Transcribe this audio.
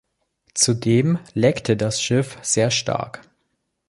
Zudem leckte das Schiff sehr stark.